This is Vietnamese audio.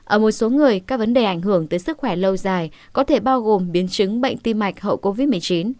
ở một số người các vấn đề ảnh hưởng tới sức khỏe lâu dài có thể bao gồm biến chứng bệnh tim mạch hậu covid một mươi chín